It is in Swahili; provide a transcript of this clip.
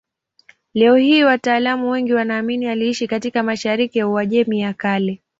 Leo hii wataalamu wengi wanaamini aliishi katika mashariki ya Uajemi ya Kale.